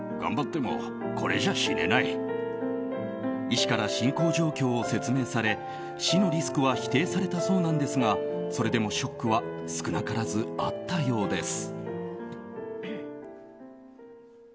医師から進行状況を説明され死のリスクは否定されたそうなんですがそれでも、ショックは少なからずあったようです。